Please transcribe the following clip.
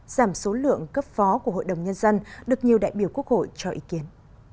giảm số lượng cấp phó của hội đồng nhân dân được nhiều đại biểu quốc hội cho ý kiến